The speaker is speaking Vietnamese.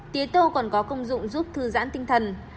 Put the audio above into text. tế tô còn có công dụng giúp thư giãn tinh thần